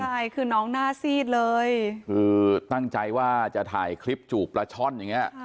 ใช่คือน้องหน้าซีดเลยคือตั้งใจว่าจะถ่ายคลิปจูบปลาช่อนอย่างนี้